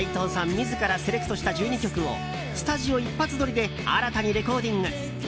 自らセレクトした１２曲をスタジオ一発どりで新たにレコーディング。